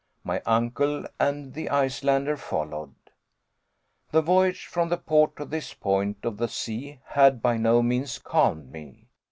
My uncle and the Icelander followed. The voyage from the port to this point of the sea had by no means calmed me.